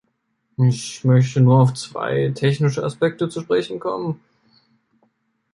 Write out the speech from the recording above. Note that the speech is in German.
Ich möchte nur auf zwei technische Aspekte zu sprechen kommen.